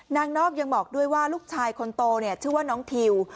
นอกยังบอกด้วยว่าลูกชายคนโตชื่อว่าน้องทิว